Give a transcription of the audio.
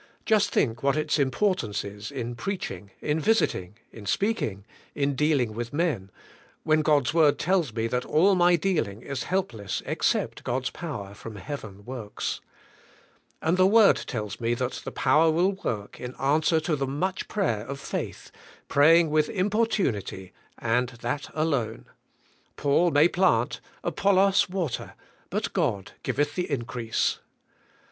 Just think what its importance is in preaching , in visiting , in speaking, in dealing with men, when God's word tells me that all my dealing is helpless except God's power from heaven works. And the word tells me that the power will work in answer to the much prayer of faith, praying with importunity, and that alone. ' 'Paul may plant, Apollos water, but God giveth the increase."